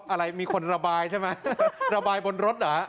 อะไรมีคนระบายใช่ไหมระบายบนรถเหรอ